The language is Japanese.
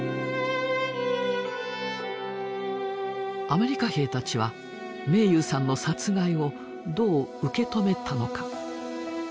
アメリカ兵たちは明勇さんの殺害をどう受け止めたのか？